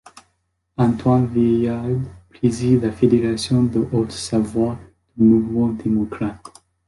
Antoine Vielliard préside la fédération de Haute-Savoie du Mouvement Démocrate.